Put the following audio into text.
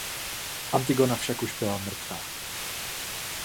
Antigona však už byla mrtvá.